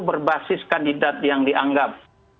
berbasis kandidat yang dianggap